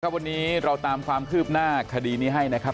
วันนี้เราตามความคืบหน้าคดีนี้ให้นะครับ